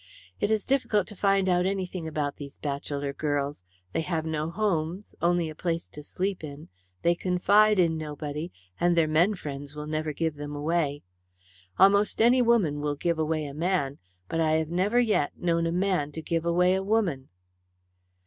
It is difficult to find out anything about these bachelor girls. They have no homes only a place to sleep in they confide in nobody, and their men friends will never give them away. Almost any woman will give away a man, but I have never yet known a man give away a woman."